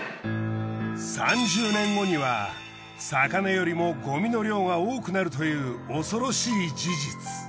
３０年後には魚よりもごみの量が多くなるという恐ろしい事実。